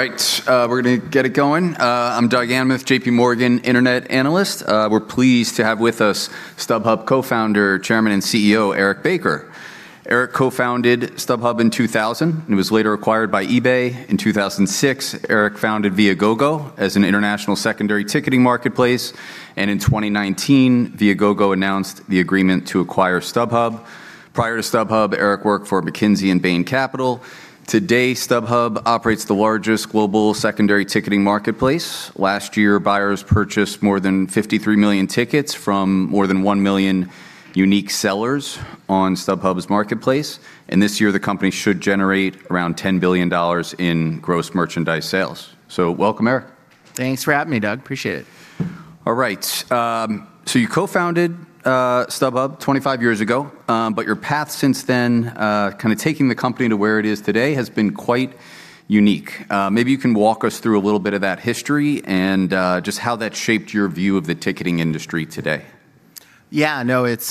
All right, we're gonna get it going. I'm Doug Anmuth, J.P. Morgan internet analyst. We're pleased to have with us StubHub co-founder, chairman, and CEO, Eric Baker. Eric co-founded StubHub in 2000, and it was later acquired by eBay. In 2006, Eric founded Viagogo as an international secondary ticketing marketplace, and in 2019, Viagogo announced the agreement to acquire StubHub. Prior to StubHub, Eric worked for McKinsey and Bain Capital. Today, StubHub operates the largest global secondary ticketing marketplace. Last year, buyers purchased more than 53 million tickets from more than 1 million unique sellers on StubHub's marketplace. This year, the company should generate around $10 billion in gross merchandise sales. Welcome, Eric. Thanks for having me, Doug. Appreciate it. All right. You co-founded StubHub 25 years ago, your path since then, kinda taking the company to where it is today, has been quite unique. Maybe you can walk us through a little bit of that history and just how that shaped your view of the ticketing industry today. Yeah, no, it's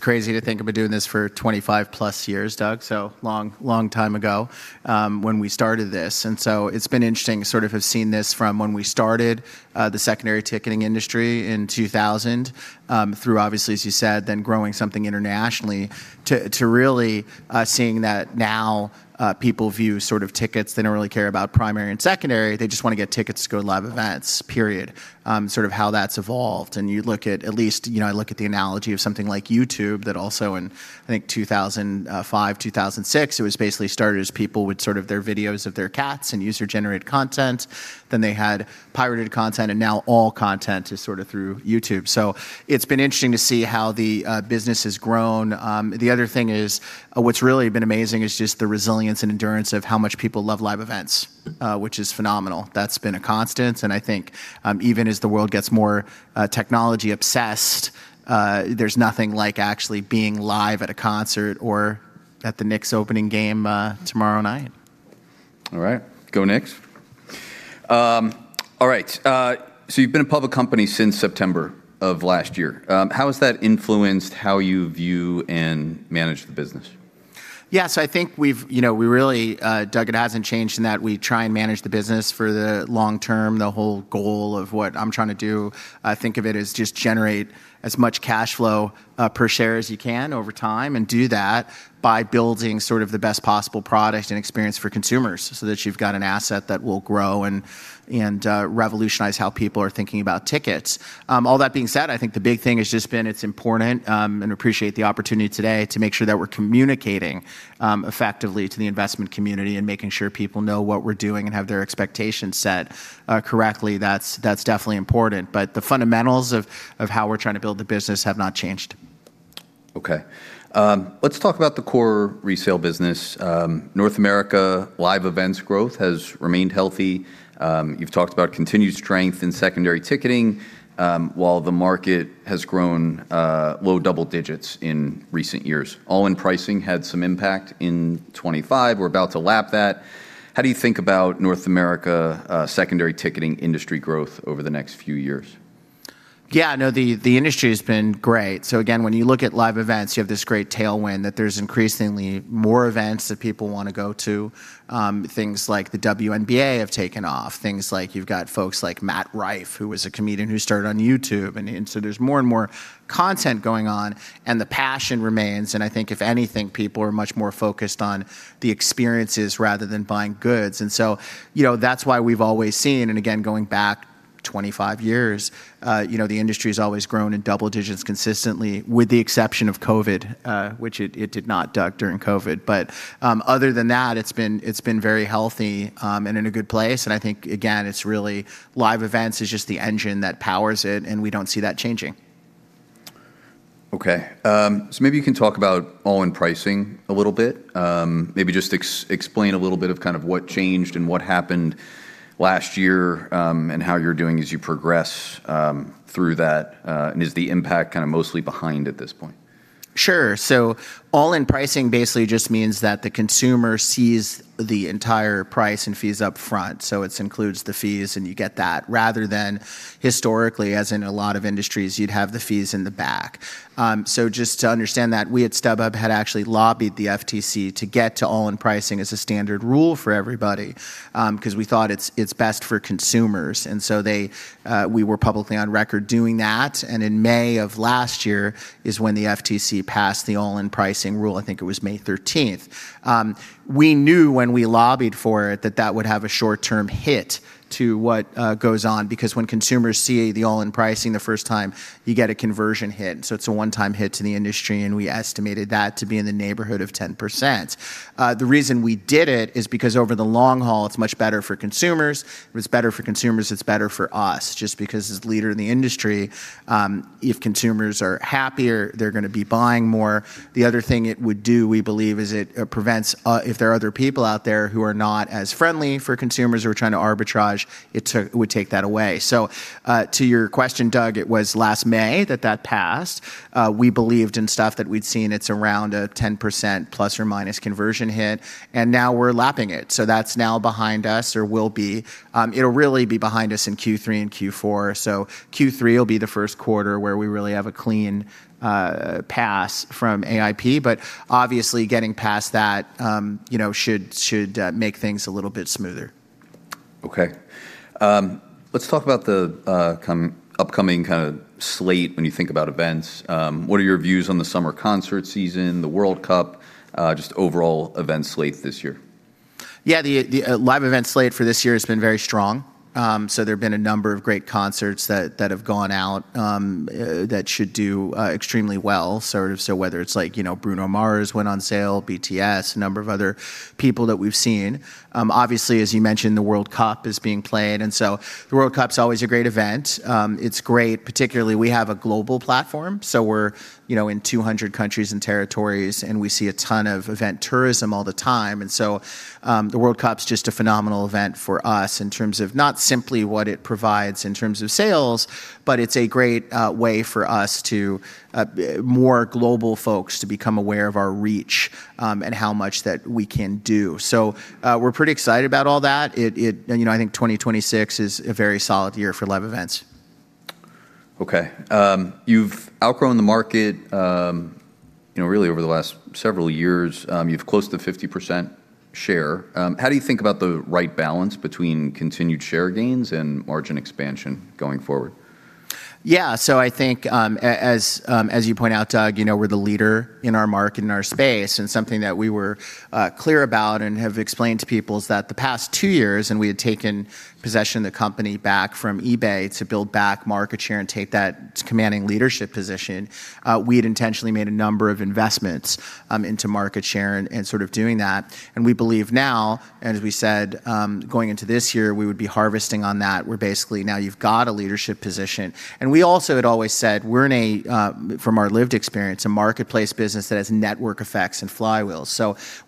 crazy to think I've been doing this for 25+ years, Doug, long, long time ago when we started this. It's been interesting to sort of have seen this from when we started the secondary ticketing industry in 2000, through obviously, as you said, growing something internationally to really seeing that now people view sort of tickets. They don't really care about primary and secondary. They just wanna get tickets to go to live events, period. Sort of how that's evolved. You look at least, you know, I look at the analogy of something like YouTube that also in, I think, 2005, 2006, it was basically started as people with sort of their videos of their cats and user-generated content. They had pirated content, and now all content is sort of through YouTube. It's been interesting to see how the business has grown. The other thing is what's really been amazing is just the resilience and endurance of how much people love live events, which is phenomenal. That's been a constant, and I think, even as the world gets more technology-obsessed, there's nothing like actually being live at a concert or at the Knicks opening game tomorrow night. All right. Go Knicks. All right. You've been a public company since September of last year. How has that influenced how you view and manage the business? I think we've-- You know, we really-- Doug, it hasn't changed in that we try and manage the business for the long term. The whole goal of what I'm trying to do, I think of it as just generate as much cash flow per share as you can over time, and do that by building sort of the best possible product and experience for consumers so that you've got an asset that will grow and revolutionize how people are thinking about tickets. All that being said, I think the big thing has just been it's important, and appreciate the opportunity today to make sure that we're communicating effectively to the investment community and making sure people know what we're doing and have their expectations set correctly. That's definitely important. The fundamentals of how we're trying to build the business have not changed. Okay. Let's talk about the core resale business. North America live events growth has remained healthy. You've talked about continued strength in secondary ticketing, while the market has grown low double digits in recent years. All-in pricing had some impact in 2025. We're about to lap that. How do you think about North America secondary ticketing industry growth over the next few years? Yeah, the industry has been great. When you look at live events, you have this great tailwind that there's increasingly more events that people want to go to. Things like the WNBA have taken off. Things like you've got folks like Matt Rife, who is a comedian who started on YouTube. There's more and more content going on, and the passion remains. I think if anything, people are much more focused on the experiences rather than buying goods. You know, that's why we've always seen, and again, going back 25 years, you know, the industry's always grown in double digits consistently with the exception of COVID, which it did not, Doug, during COVID. Other than that, it's been very healthy and in a good place. I think, again, it's really live events is just the engine that powers it, and we don't see that changing. Okay. Maybe you can talk about all-in pricing a little bit. Maybe just explain a little bit of kind of what changed and what happened last year, and how you're doing as you progress through that. Is the impact kinda mostly behind at this point? Sure, all-in pricing basically just means that the consumer sees the entire price and fees up front. It includes the fees, and you get that rather than historically, as in a lot of industries, you'd have the fees in the back. Just to understand that, we at StubHub had actually lobbied the FTC to get to all-in pricing as a standard rule for everybody, 'cause we thought it's best for consumers. We were publicly on record doing that, and in May of last year is when the FTC passed the all-in pricing rule. I think it was May 13th. We knew when we lobbied for it that that would have a short-term hit to what goes on because when consumers see the all-in pricing the first time, you get a conversion hit. It's a one-time hit to the industry, and we estimated that to be in the neighborhood of 10%. The reason we did it is because over the long haul, it's much better for consumers. If it's better for consumers, it's better for us, just because as leader in the industry, if consumers are happier, they're gonna be buying more. The other thing it would do, we believe, is it prevents if there are other people out there who are not as friendly for consumers who are trying to arbitrage, it would take that away. To your question, Doug, it was last May that that passed. We believed in stuff that we'd seen. It's around a 10% plus or minus conversion hit, and now we're lapping it. That's now behind us or will be. It'll really be behind us in Q3 and Q4. Q3 will be the first quarter where we really have a clean pass from AIP. Obviously getting past that, you know, should make things a little bit smoother. Okay. Let's talk about the upcoming kind of slate when you think about events. What are your views on the summer concert season, the World Cup, just overall event slate this year? Yeah, the live event slate for this year has been very strong. There have been a number of great concerts that have gone out that should do extremely well, sort of. Whether it's like, you know, Bruno Mars went on sale, BTS, a number of other people that we've seen. Obviously, as you mentioned, the World Cup is being played, the World Cup's always a great event. It's great. Particularly, we have a global platform, we're, you know, in 200 countries and territories, and we see a ton of event tourism all the time. The World Cup's just a phenomenal event for us in terms of not simply what it provides in terms of sales, but it's a great way for us to more global folks to become aware of our reach and how much that we can do. You know, I think 2026 is a very solid year for live events. Okay. You've outgrown the market, you know, really over the last several years. You've close to 50% share. How do you think about the right balance between continued share gains and margin expansion going forward? Yeah. I think, as you point out, Doug, you know, we're the leader in our market and our space, and something that we were clear about and have explained to people is that the past two years, and we had taken possession of the company back from eBay to build back market share and take that commanding leadership position, we had intentionally made a number of investments into market share and sort of doing that. We believe now, and as we said, going into this year, we would be harvesting on that, where basically now you've got a leadership position. We also had always said we're in a, from our lived experience, a marketplace business that has network effects and flywheels.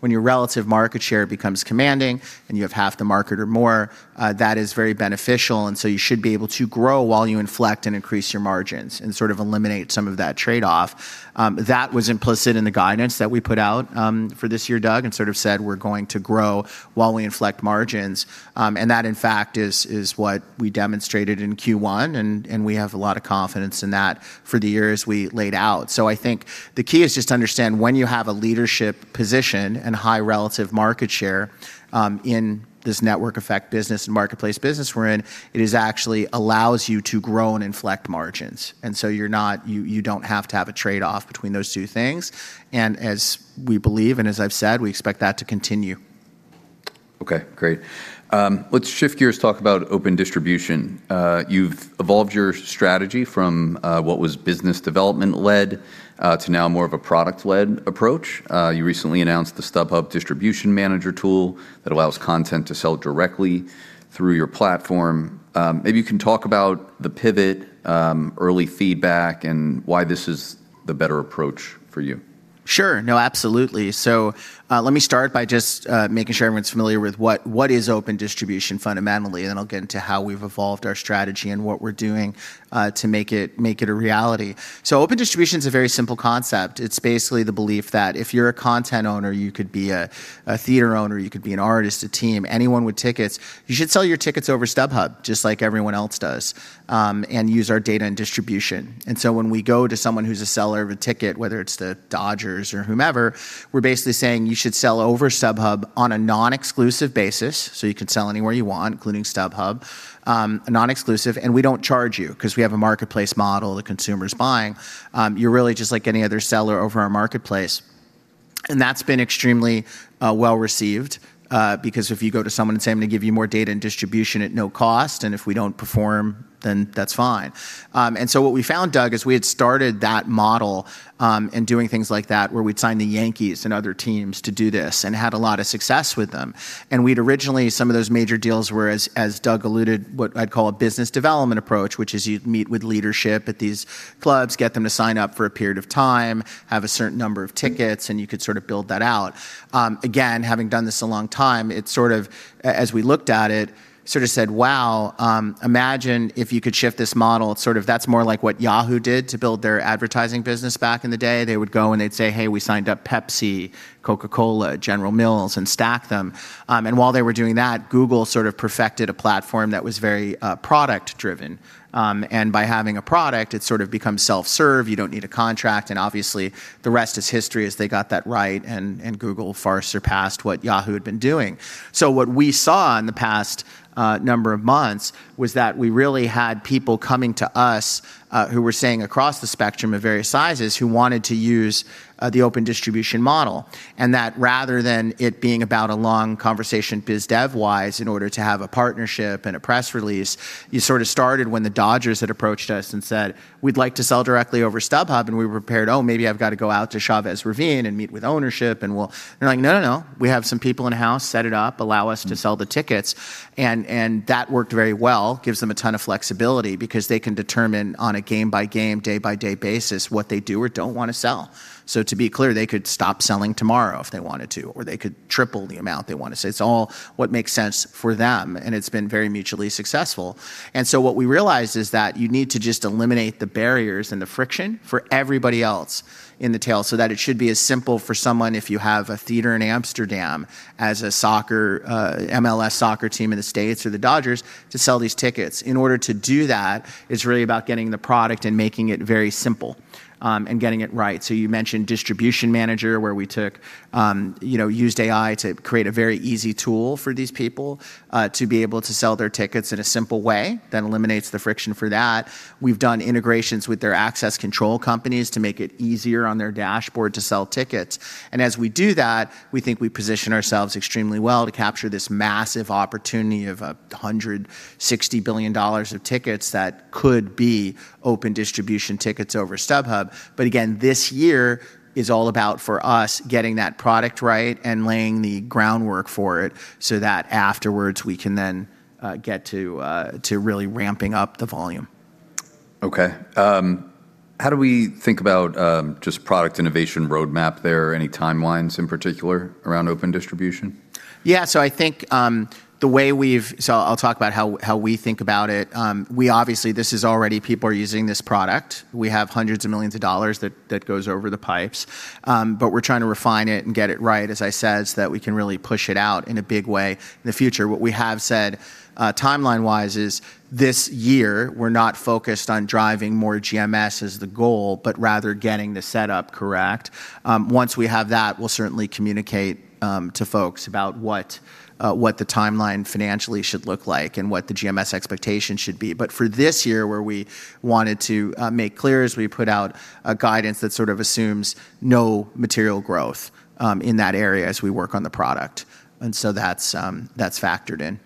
When your relative market share becomes commanding and you have half the market or more, that is very beneficial, you should be able to grow while you inflect and increase your margins and eliminate some of that trade-off. That was implicit in the guidance that we put out for this year, Doug, and said, "We're going to grow while we inflect margins." And that, in fact, is what we demonstrated in Q1, and we have a lot of confidence in that for the year as we laid out. I think the key is just to understand when you have a leadership position and high relative market share in this network effect business and marketplace business we're in, it is actually allows you to grow and inflect margins. You don't have to have a trade-off between those two things. As we believe, and as I've said, we expect that to continue. Okay, great. Let's shift gears, talk about open distribution. You've evolved your strategy from what was business development-led to now more of a product-led approach. You recently announced the StubHub Distribution Manager tool that allows content to sell directly through your platform. Maybe you can talk about the pivot, early feedback, and why this is the better approach for you. Sure. No, absolutely. Let me start by just making sure everyone's familiar with what is open distribution fundamentally, and then I'll get into how we've evolved our strategy and what we're doing to make it a reality. Open distribution's a very simple concept. It's basically the belief that if you're a content owner, you could be a theater owner, you could be an artist, a team, anyone with tickets, you should sell your tickets over StubHub just like everyone else does and use our data and distribution. When we go to someone who's a seller of a ticket, whether it's the Dodgers or whomever, we're basically saying, "You should sell over StubHub on a non-exclusive basis," so you can sell anywhere you want, including StubHub, a non-exclusive, and we don't charge you 'cause we have a marketplace model, the consumer's buying. You're really just like any other seller over our marketplace. That's been extremely well-received because if you go to someone and say, "I'm gonna give you more data and distribution at no cost, and if we don't perform, then that's fine." What we found, Doug, is we had started that model and doing things like that, where we'd sign the Yankees and other teams to do this and had a lot of success with them. We'd originally, some of those major deals were, as Doug alluded, what I'd call a business development approach, which is you'd meet with leadership at these clubs, get them to sign up for a period of time, have a certain number of tickets, and you could sort of build that out. Again, having done this a long time, it sort of, as we looked at it, sort of said, "Wow, imagine if you could shift this model." Sort of that's more like what Yahoo did to build their advertising business back in the day. They would go, and they'd say, "Hey, we signed up Pepsi, Coca-Cola, General Mills," and stack them. While they were doing that, Google sort of perfected a platform that was very product-driven. By having a product, it sort of becomes self-serve. You don't need a contract, obviously, the rest is history as they got that right, and Google far surpassed what Yahoo had been doing. What we saw in the past number of months was that we really had people coming to us who were saying across the spectrum of various sizes who wanted to use the open distribution model. That rather than it being about a long conversation biz dev-wise in order to have a partnership and a press release, you sort of started when the Dodgers had approached us and said, "We'd like to sell directly over StubHub," and we were prepared, "Oh, maybe I've got to go out to Chavez Ravine and meet with ownership, and we'll" They're like, "No, no. We have some people in-house set it up, allow us to sell the tickets. That worked very well, gives them a ton of flexibility because they can determine on a game-by-game, day-by-day basis what they do or don't wanna sell. To be clear, they could stop selling tomorrow if they wanted to, or they could triple the amount they want to sell. It's all what makes sense for them, and it's been very mutually successful. What we realized is that you need to just eliminate the barriers and the friction for everybody else in the tail so that it should be as simple for someone if you have a theater in Amsterdam as a soccer, MLS soccer team in the U.S. or the Dodgers to sell these tickets. In order to do that, it's really about getting the product and making it very simple, and getting it right. You mentioned Distribution Manager, where we took, you know, used AI to create a very easy tool for these people to be able to sell their tickets in a simple way. That eliminates the friction for that. We've done integrations with their access control companies to make it easier on their dashboard to sell tickets. As we do that, we think we position ourselves extremely well to capture this massive opportunity of $160 billion of tickets that could be open distribution tickets over StubHub. Again, this year is all about, for us, getting that product right and laying the groundwork for it so that afterwards we can then get to really ramping up the volume. How do we think about, just product innovation roadmap there? Any timelines in particular around open distribution? I think the way I'll talk about how we think about it. We obviously, this is already people are using this product. We have hundreds of millions of dollars that goes over the pipes. We're trying to refine it and get it right, as I said, so that we can really push it out in a big way in the future. What we have said, timeline-wise is this year we're not focused on driving more GMS as the goal, but rather getting the setup correct. Once we have that, we'll certainly communicate to folks about what the timeline financially should look like and what the GMS expectation should be. For this year, where we wanted to make clear is we put out a guidance that sort of assumes no material growth in that area as we work on the product. That's factored in.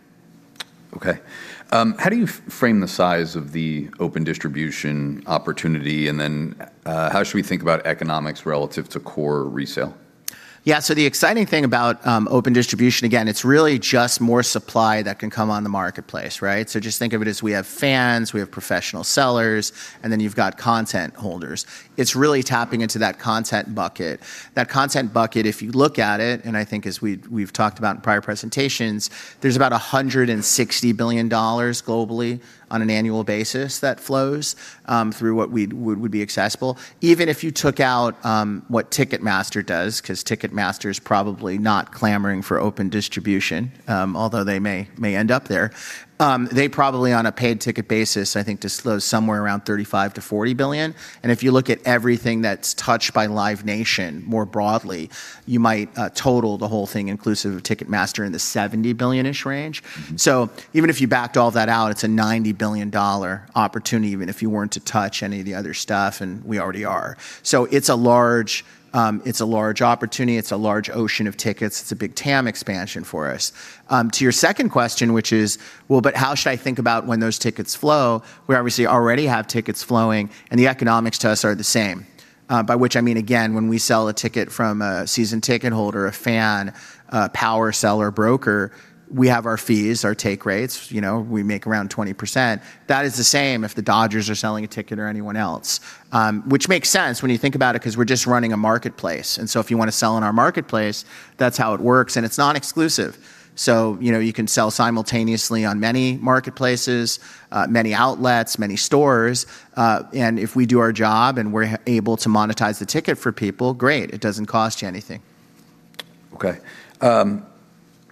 How do you frame the size of the open distribution opportunity? How should we think about economics relative to core resale? Yeah. The exciting thing about open distribution, again, it's really just more supply that can come on the marketplace, right? Just think of it as we have fans, we have professional sellers, and then you've got content holders. It's really tapping into that content bucket. That content bucket, if you look at it, and I think as we've talked about in prior presentations, there's about $160 billion globally on an annual basis that flows through what would be accessible. Even if you took out what Ticketmaster does, 'cause Ticketmaster is probably not clamoring for open distribution, although they may end up there. They probably, on a paid ticket basis, I think this flows somewhere around $35 billion-$40 billion. If you look at everything that's touched by Live Nation more broadly, you might total the whole thing inclusive of Ticketmaster in the $70 billion-ish range. Even if you backed all that out, it's a $90 billion opportunity, even if you weren't to touch any of the other stuff, and we already are. It's a large, it's a large opportunity. It's a large ocean of tickets. It's a big TAM expansion for us. To your second question, which is, well, how should I think about when those tickets flow? We obviously already have tickets flowing, and the economics to us are the same. By which I mean, again, when we sell a ticket from a season ticket holder, a fan, a power seller, broker, we have our fees, our take rates. You know, we make around 20%. That is the same if the Dodgers are selling a ticket or anyone else. Which makes sense when you think about it 'cause we're just running a marketplace, and so if you wanna sell in our marketplace, that's how it works, and it's non-exclusive. You know, you can sell simultaneously on many marketplaces, many outlets, many stores, and if we do our job and we're able to monetize the ticket for people, great. It doesn't cost you anything.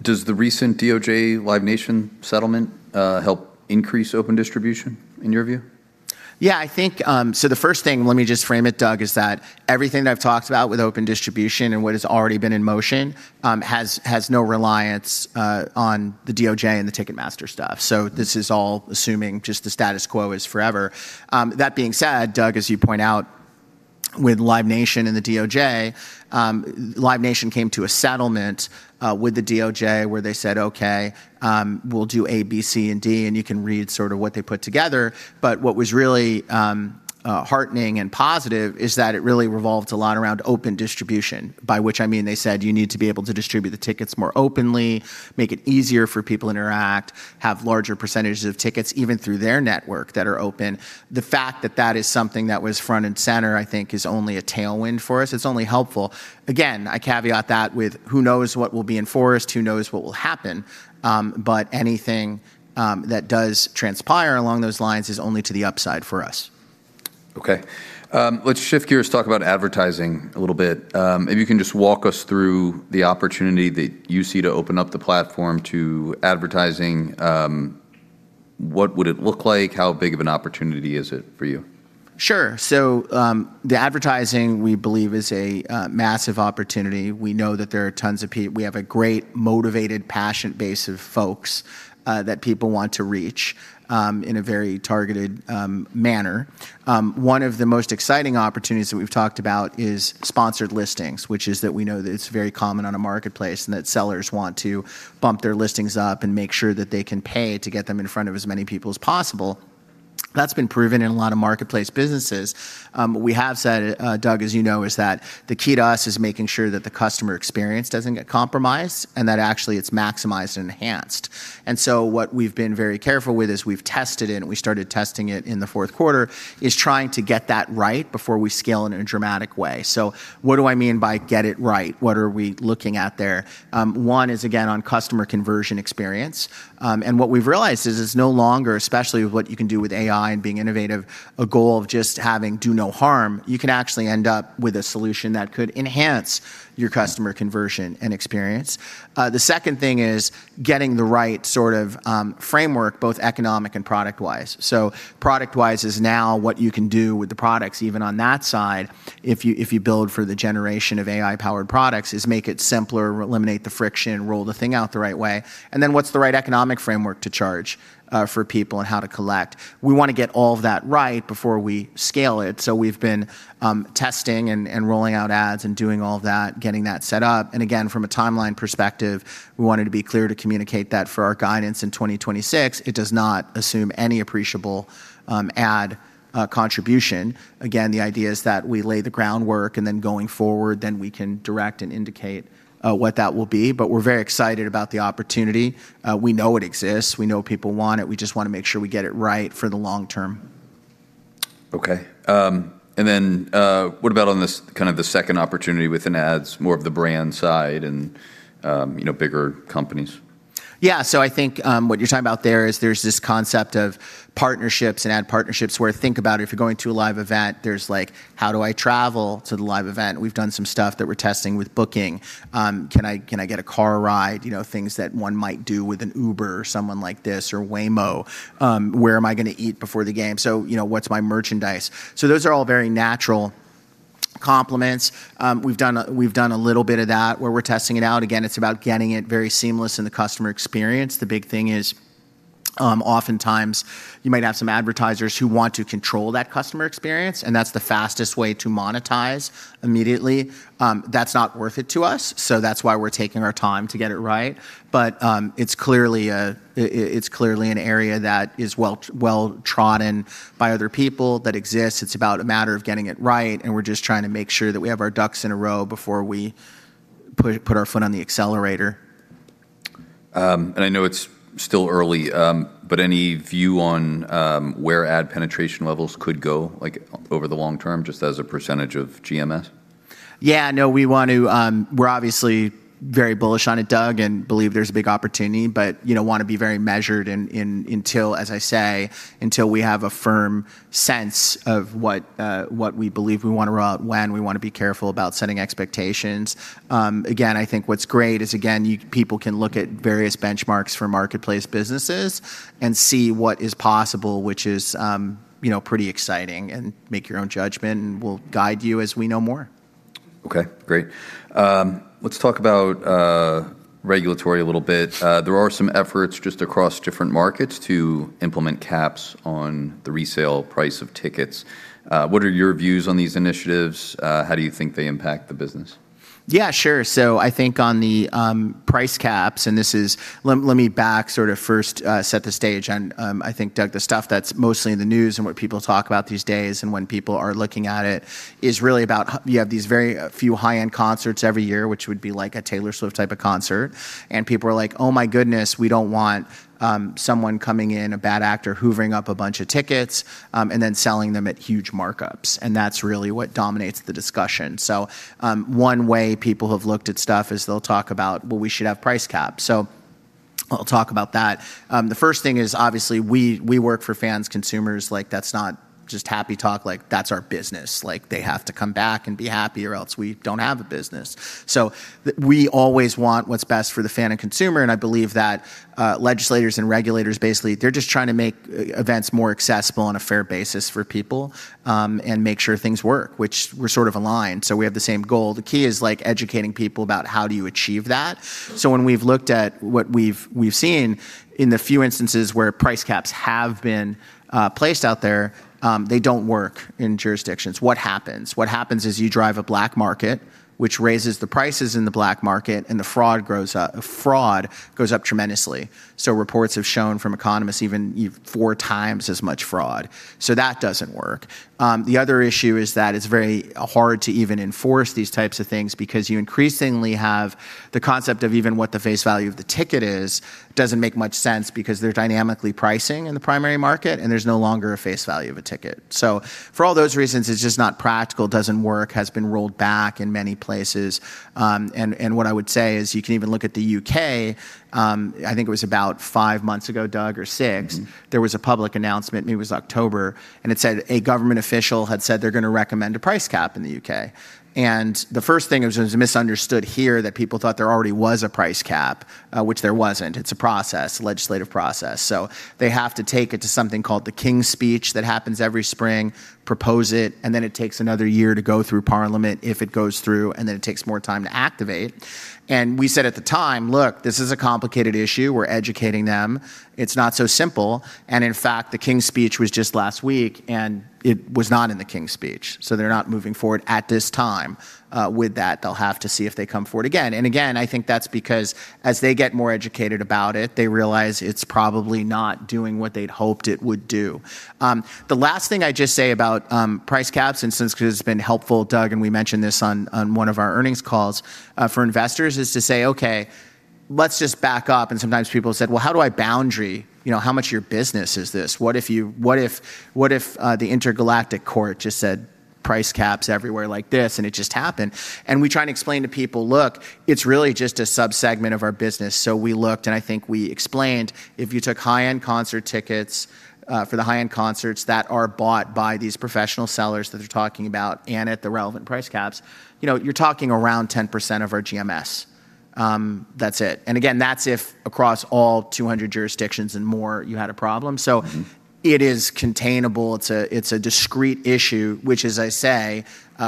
Does the recent DOJ Live Nation settlement help increase open distribution in your view? Yeah, I think the first thing, let me just frame it, Doug, is that everything that I've talked about with open distribution and what has already been in motion has no reliance on the DOJ and the Ticketmaster stuff. This is all assuming just the status quo is forever. That being said, Doug, as you point out, with Live Nation and the DOJ, Live Nation came to a settlement with the DOJ where they said, "Okay, we'll do A, B, C, and D," and you can read sort of what they put together. What was really, heartening and positive is that it really revolved a lot around open distribution, by which I mean they said you need to be able to distribute the tickets more openly, make it easier for people to interact, have larger percentages of tickets even through their network that are open. The fact that that is something that was front and center, I think is only a tailwind for us. It's only helpful. Again, I caveat that with who knows what will be enforced, who knows what will happen, but anything that does transpire along those lines is only to the upside for us. Okay. Let's shift gears, talk about advertising a little bit. If you can just walk us through the opportunity that you see to open up the platform to advertising, what would it look like? How big of an opportunity is it for you? Sure. The advertising we believe is a massive opportunity. We have a great motivated, passionate base of folks that people want to reach in a very targeted manner. One of the most exciting opportunities that we've talked about is sponsored listings, which is that we know that it's very common on a marketplace, and that sellers want to bump their listings up and make sure that they can pay to get them in front of as many people as possible. That's been proven in a lot of marketplace businesses. We have said, Doug, as you know, is that the key to us is making sure that the customer experience doesn't get compromised and that actually it's maximized and enhanced. What we've been very careful with is we've tested it, and we started testing it in the fourth quarter, is trying to get that right before we scale in a dramatic way. What do I mean by get it right? What are we looking at there? One is, again, on customer conversion experience. What we've realized is it's no longer, especially with what you can do with AI and being innovative, a goal of just having do no harm. You can actually end up with a solution that could enhance your customer conversion and experience. The second thing is getting the right sort of framework, both economic and product-wise. Product-wise is now what you can do with the products, even on that side, if you, if you build for the generation of AI-powered products, is make it simpler, eliminate the friction, roll the thing out the right way. Then what's the right economic framework to charge for people and how to collect? We wanna get all of that right before we scale it. We've been testing and rolling out ads and doing all that, getting that set up. Again, from a timeline perspective, we wanted to be clear to communicate that for our guidance in 2026, it does not assume any appreciable ad contribution. Again, the idea is that we lay the groundwork, and then going forward, then we can direct and indicate what that will be. We're very excited about the opportunity. We know it exists. We know people want it. We just wanna make sure we get it right for the long term. Okay. What about on the kind of the second opportunity within ads, more of the brand side and, you know, bigger companies? Yeah. I think what you're talking about there is there's this concept of partnerships and ad partnerships where think about it, if you're going to a live event, there's like, how do I travel to the live event? We've done some stuff that we're testing with Booking.com. Can I get a car ride? You know, things that one might do with an Uber or someone like this, or Waymo. Where am I gonna eat before the game? You know, what's my merchandise? Those are all very natural compliments. We've done a little bit of that where we're testing it out. Again, it's about getting it very seamless in the customer experience. The big thing is, oftentimes you might have some advertisers who want to control that customer experience, and that's the fastest way to monetize immediately. That's not worth it to us, so that's why we're taking our time to get it right. It's clearly an area that is well, well-trodden by other people that exists. It's about a matter of getting it right, and we're just trying to make sure that we have our ducks in a row before we put our foot on the accelerator. I know it's still early, but any view on where ad penetration levels could go over the long term, just as a percentage of GMS? Yeah, no, we want to. We're obviously very bullish on it, Doug, and believe there's a big opportunity. You know, wanna be very measured in, until, as I say, until we have a firm sense of what we believe we wanna roll out when we wanna be careful about setting expectations. Again, I think what's great is, again, people can look at various benchmarks for marketplace businesses and see what is possible, which is, you know, pretty exciting and make your own judgment. We'll guide you as we know more. Okay, great. Let's talk about regulatory a little bit. There are some efforts just across different markets to implement caps on the resale price of tickets. What are your views on these initiatives? How do you think they impact the business? Yeah, sure. I think on the price caps. Let me first set the stage on, I think, Doug, the stuff that's mostly in the news and what people talk about these days and when people are looking at it is really about you have these very few high-end concerts every year, which would be like a Taylor Swift type of concert, and people are like, "Oh my goodness, we don't want someone coming in, a bad actor, hoovering up a bunch of tickets, and then selling them at huge markups." That's really what dominates the discussion. One way people have looked at stuff is they'll talk about, well, we should have price caps. I'll talk about that. The first thing is, obviously, we work for fans, consumers. Like, that's not just happy talk. Like, that's our business. Like, they have to come back and be happy, or else we don't have a business. We always want what's best for the fan and consumer, and I believe that legislators and regulators, basically, they're just trying to make events more accessible on a fair basis for people, and make sure things work, which we're sort of aligned. We have the same goal. The key is, like, educating people about how do you achieve that. When we've looked at what we've seen in the few instances where price caps have been placed out there, they don't work in jurisdictions. What happens? What happens is you drive a black market, which raises the prices in the black market, and the fraud grows up. Fraud goes up tremendously. Reports have shown from economists even 4x as much fraud. That doesn't work. The other issue is that it's very hard to even enforce these types of things because you increasingly have the concept of even what the face value of the ticket is doesn't make much sense because they're dynamically pricing in the primary market, and there's no longer a face value of a ticket. For all those reasons, it's just not practical, doesn't work, has been rolled back in many places. And what I would say is you can even look at the U.K. I think it was about five months ago, Doug, or six. There was a public announcement, maybe it was October, it said a government official had said they're gonna recommend a price cap in the U.K. The first thing it was misunderstood here that people thought there already was a price cap, which there wasn't. It's a process, legislative process. They have to take it to something called the King's Speech that happens every spring, propose it, and then it takes another year to go through Parliament if it goes through, and then it takes more time to activate. We said at the time, "Look, this is a complicated issue. We're educating them. It's not so simple." In fact, the King's Speech was just last week, and it was not in the King's Speech, so they're not moving forward at this time with that. They'll have to see if they come forward again. Again, I think that's because as they get more educated about it, they realize it's probably not doing what they'd hoped it would do. The last thing I'd just say about price caps and since 'cause it's been helpful, Doug, and we mentioned this on one of our earnings calls for investors, is to say, "Okay, let's just back up." Sometimes people have said, "Well, how do I boundary, you know, how much of your business is this? What if the Intergalactic Court just said price caps everywhere like this, and it just happened? We try and explain to people, "Look, it's really just a sub-segment of our business." We looked, and I think we explained if you took high-end concert tickets for the high-end concerts that are bought by these professional sellers that they're talking about and at the relevant price caps, you know, you're talking around 10% of our GMS. That's it. Again, that's if across all 200 jurisdictions and more you had a problem. It is containable. It's a discrete issue, which, as I say,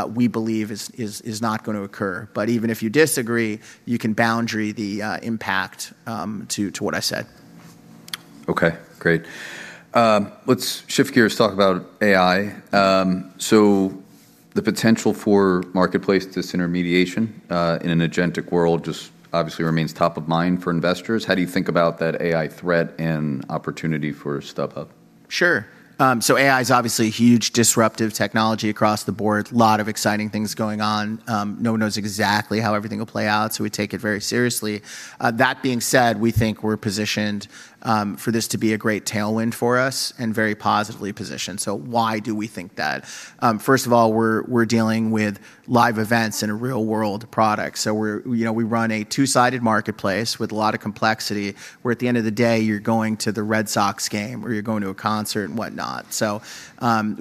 we believe is not gonna occur. Even if you disagree, you can boundary the impact to what I said. Okay, great. Let's shift gears, talk about AI. The potential for marketplace disintermediation in an agentic world just obviously remains top of mind for investors. How do you think about that AI threat and opportunity for StubHub? Sure. AI is obviously a huge disruptive technology across the board. Lot of exciting things going on. No one knows exactly how everything will play out, we take it very seriously. That being said, we think we're positioned for this to be a great tailwind for us and very positively positioned. Why do we think that? First of all, we're dealing with live events in a real world product. You know, we run a two-sided marketplace with a lot of complexity, where at the end of the day, you're going to the Red Sox game or you're going to a concert and whatnot.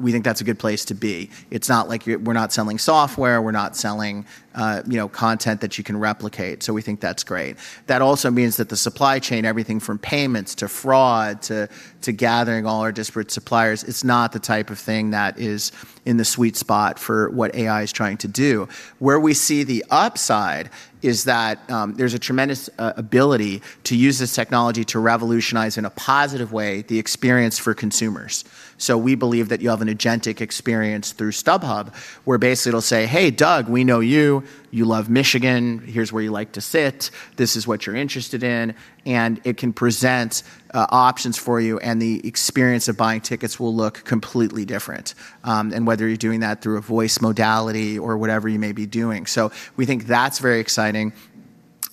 We think that's a good place to be. It's not like we're not selling software. We're not selling, you know, content that you can replicate. We think that's great. That also means that the supply chain, everything from payments to fraud to gathering all our disparate suppliers, it's not the type of thing that is in the sweet spot for what AI is trying to do. Where we see the upside is that there's a tremendous ability to use this technology to revolutionize in a positive way the experience for consumers. We believe that you have an agentic experience through StubHub, where basically it'll say, "Hey, Doug, we know you. You love Michigan. Here's where you like to sit. This is what you're interested in." It can present options for you, and the experience of buying tickets will look completely different, and whether you're doing that through a voice modality or whatever you may be doing. We think that's very exciting.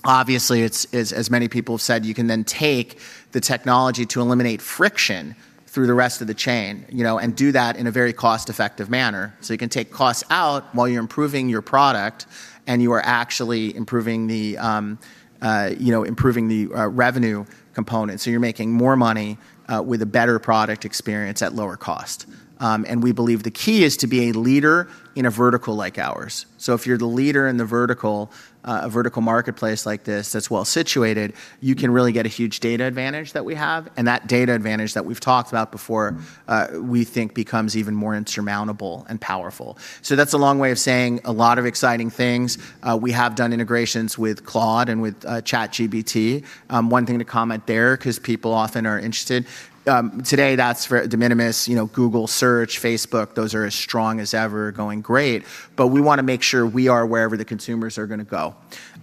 Obviously, it's as many people have said, you can then take the technology to eliminate friction through the rest of the chain, you know, and do that in a very cost-effective manner. You can take costs out while you're improving your product, and you are actually improving the, you know, improving the revenue component. You're making more money with a better product experience at lower cost. We believe the key is to be a leader in a vertical like ours. If you're the leader in the vertical, a vertical marketplace like this that's well-situated, you can really get a huge data advantage that we have. That data advantage that we've talked about before, we think becomes even more insurmountable and powerful. That's a long way of saying a lot of exciting things. We have done integrations with Claude and with ChatGPT. One thing to comment there 'cause people often are interested, today that's for de minimis, you know, Google search, Facebook, those are as strong as ever, going great. We wanna make sure we are wherever the consumers are gonna go.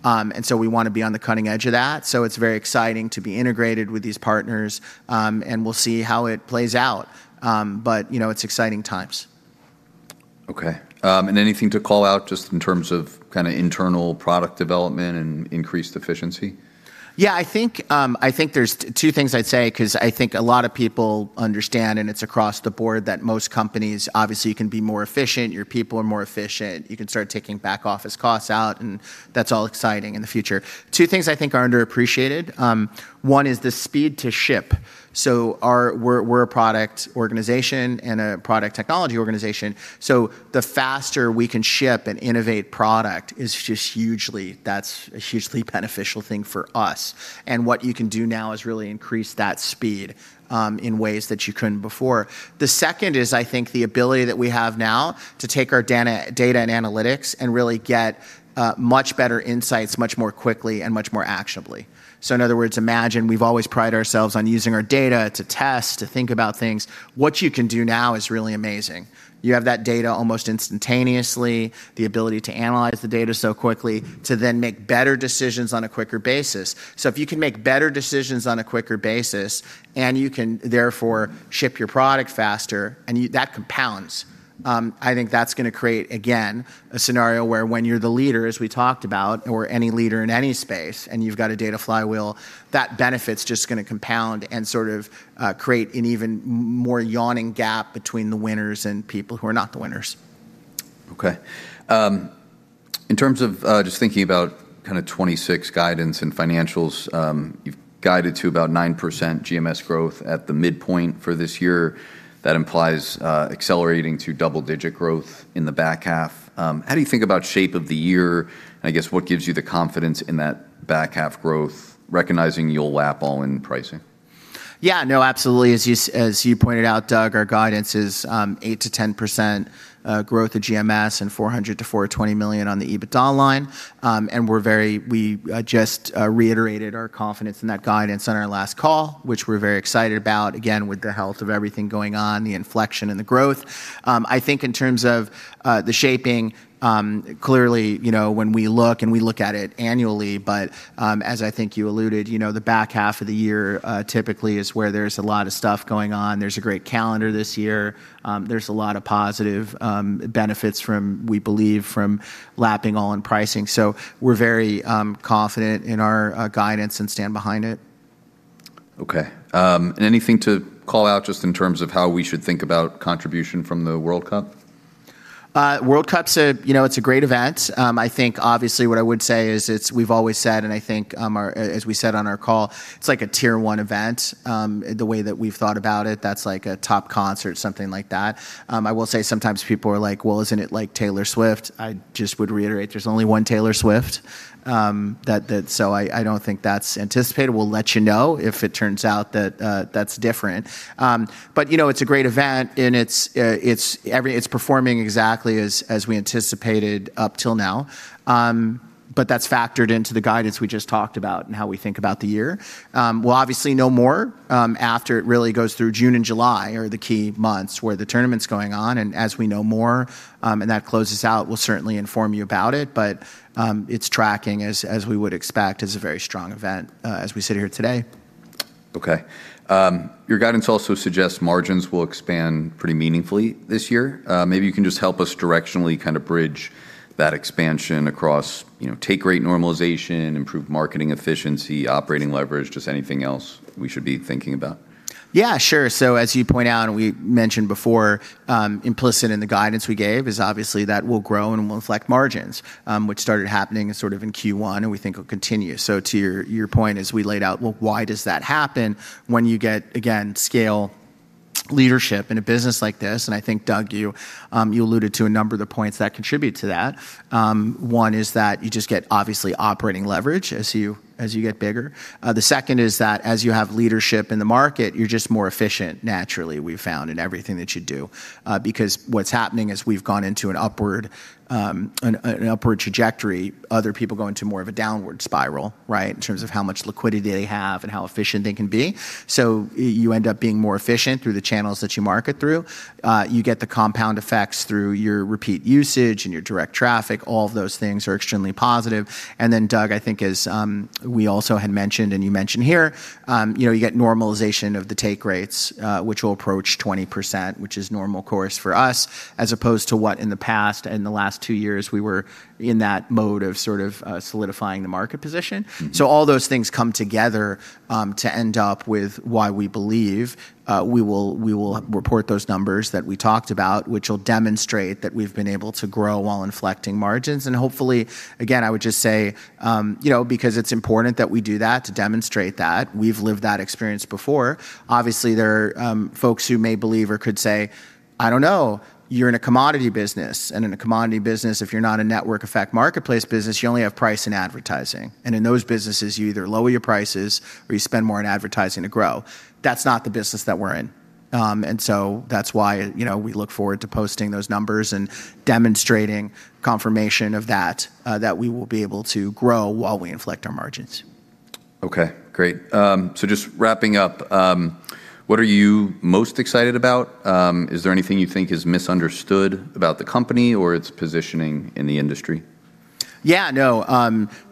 We wanna be on the cutting edge of that. It's very exciting to be integrated with these partners, and we'll see how it plays out. You know, it's exciting times. Okay. Anything to call out just in terms of kinda internal product development and increased efficiency? I think there's two things I'd say 'cause I think a lot of people understand, and it's across the board that most companies obviously can be more efficient, your people are more efficient. You can start taking back office costs out, that's all exciting in the future. Two things I think are underappreciated. One is the speed to ship. We're a product organization and a product technology organization, the faster we can ship and innovate product that's a hugely beneficial thing for us. What you can do now is really increase that speed in ways that you couldn't before. The second is, I think, the ability that we have now to take our data and analytics and really get much better insights much more quickly and much more actionably. In other words, imagine we've always prided ourselves on using our data to test, to think about things. What you can do now is really amazing. You have that data almost instantaneously, the ability to analyze the data so quickly, to then make better decisions on a quicker basis. If you can make better decisions on a quicker basis, and you can therefore ship your product faster, and that compounds, I think that's gonna create, again, a scenario where when you're the leader, as we talked about, or any leader in any space, and you've got a data flywheel, that benefit's just gonna compound and sort of create an even more yawning gap between the winners and people who are not the winners. Okay. In terms of, just thinking about kind of 2026 guidance and financials, you've guided to about 9% GMS growth at the midpoint for this year. That implies accelerating to double-digit growth in the back half. How do you think about shape of the year? I guess, what gives you the confidence in that back half growth, recognizing you'll lap all-in pricing? Yeah, no, absolutely. As you pointed out, Doug, our guidance is 8%-10% growth of GMS and $400 million-$420 million on the EBITDA line. We just reiterated our confidence in that guidance on our last call, which we're very excited about, again, with the health of everything going on, the inflection and the growth. I think in terms of the shaping, clearly, you know, when we look, and we look at it annually, but, as I think you alluded, you know, the back half of the year typically is where there's a lot of stuff going on. There's a great calendar this year. There's a lot of positive benefits from, we believe, from lapping all-in pricing, we're very confident in our guidance and stand behind it. Okay. Anything to call out just in terms of how we should think about contribution from the World Cup? World Cup's a, you know, it's a great event. I think obviously what I would say is we've always said, and I think, as we said on our call, it's like a tier 1 event. The way that we've thought about it, that's like a top concert, something like that. I will say sometimes people are like, "Well, isn't it like Taylor Swift?" I just would reiterate, there's only one Taylor Swift. I don't think that's anticipated. We'll let you know if it turns out that's different. You know, it's a great event, and it's performing exactly as we anticipated up till now. That's factored into the guidance we just talked about and how we think about the year. We'll obviously know more after it really goes through June and July are the key months where the tournament's going on. As we know more, and that closes out, we'll certainly inform you about it. It's tracking as we would expect, as a very strong event, as we sit here today. Okay. Your guidance also suggests margins will expand pretty meaningfully this year. Maybe you can just help us directionally kind of bridge that expansion across, you know, take rate normalization, improved marketing efficiency, operating leverage, just anything else we should be thinking about. Yeah, sure. As you point out, and we mentioned before, implicit in the guidance we gave is obviously that we'll grow and we'll inflect margins, which started happening sort of in Q1 and we think will continue. To your point as we laid out, well, why does that happen when you get, again, scale leadership in a business like this? I think, Doug, you alluded to a number of the points that contribute to that. One is that you just get obviously operating leverage as you get bigger. The second is that as you have leadership in the market, you're just more efficient naturally, we've found, in everything that you do. Because what's happening as we've gone into an upward, an upward trajectory, other people go into more of a downward spiral, right? In terms of how much liquidity they have and how efficient they can be. You end up being more efficient through the channels that you market through. You get the compound effects through your repeat usage and your direct traffic. All of those things are extremely positive. Doug, I think as we also had mentioned and you mentioned here, you know, you get normalization of the take rates, which will approach 20%, which is normal course for us, as opposed to what in the past and the last two years we were in that mode of sort of solidifying the market position. All those things come together to end up with why we believe we will report those numbers that we talked about, which will demonstrate that we've been able to grow while inflecting margins. Hopefully, again, I would just say, you know, because it's important that we do that to demonstrate that we've lived that experience before. Obviously, there are folks who may believe or could say, "I don't know, you're in a commodity business, and in a commodity business, if you're not a network effect marketplace business, you only have price and advertising. In those businesses, you either lower your prices or you spend more on advertising to grow." That's not the business that we're in. That's why, you know, we look forward to posting those numbers and demonstrating confirmation of that we will be able to grow while we inflect our margins. Okay, great. Just wrapping up, what are you most excited about? Is there anything you think is misunderstood about the company or its positioning in the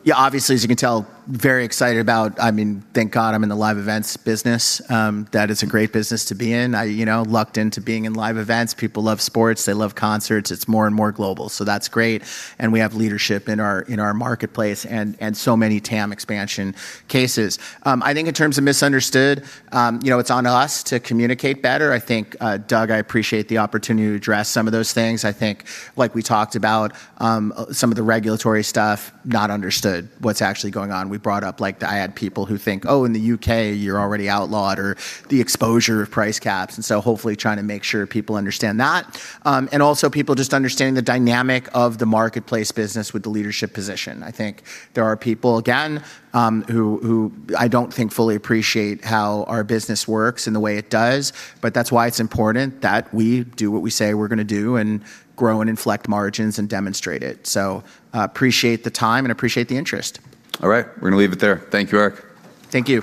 industry? Obviously, as you can tell, very excited about, I mean, thank God I'm in the live events business. That is a great business to be in. I, you know, lucked into being in live events. People love sports. They love concerts. It's more and more global, so that's great, and we have leadership in our marketplace and so many TAM expansion cases. I think in terms of misunderstood, you know, it's on us to communicate better. I think, Doug, I appreciate the opportunity to address some of those things. I think, like we talked about, some of the regulatory stuff, not understood what's actually going on. We brought up, like, the ad people who think, "Oh, in the U.K., you're already outlawed," or the exposure of price caps, and so hopefully trying to make sure people understand that. People just understanding the dynamic of the marketplace business with the leadership position. I think there are people, again, who I don't think fully appreciate how our business works and the way it does, but that's why it's important that we do what we say we're gonna do and grow and inflect margins and demonstrate it. Appreciate the time and appreciate the interest. All right. We're gonna leave it there. Thank you, Eric. Thank you.